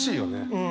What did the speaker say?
うん。